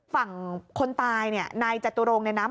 ฝั่งคนตายเนี่ยนายจตุรงเนี่ยนะ